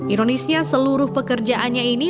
ironisnya seluruh pekerjaannya ini